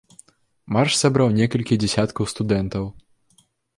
Марш сабраў некалькі дзясяткаў студэнтаў.